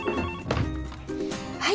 ☎はい